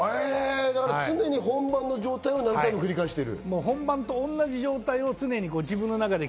常に本番の状態を何回も繰り返してる。